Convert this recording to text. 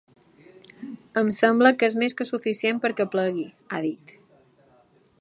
Em sembla que és més que suficient perquè plegui, ha dit.